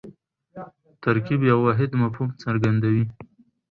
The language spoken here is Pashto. ترکیب یو واحد مفهوم څرګندوي.